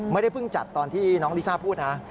ไม่ได้เพิ่งจัดตอนที่น้องลิซ่าพูดนะ